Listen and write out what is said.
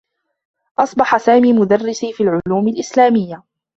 أصبح سامي مدرّسي في العلوم الإسلاميّة.